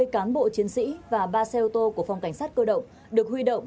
ba mươi cán bộ chiến sĩ và ba xe ô tô của phòng cảnh sát cơ động được huy động